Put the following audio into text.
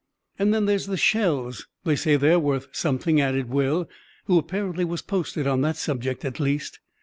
"And then there's the shells; they say they're worth something," added Will, who apparently was posted on that subject at least.